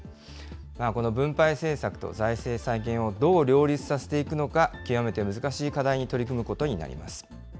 この分配政策と財政再建を、どう両立させていくのか、極めて難しい課題に取り組むことになります。